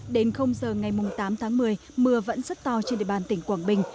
đến giờ ngày tám tháng một mươi mưa vẫn rất to trên địa bàn tỉnh quảng bình